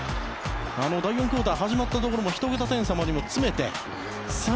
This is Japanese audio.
第４クオーター始まったところも１桁点差まで詰めてさあ